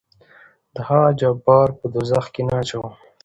دهغه جبار په دوزخ کې نه اچوم.